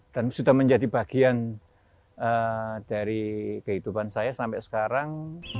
dan sudah menjadi bagian dari kehidupan saya sampai sekarang